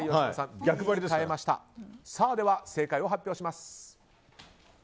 では正解を発表します。